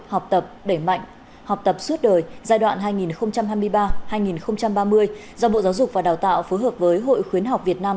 học tập đẩy mạnh học tập suốt đời giai đoạn hai nghìn hai mươi ba hai nghìn ba mươi do bộ giáo dục và đào tạo phối hợp với hội khuyến học việt nam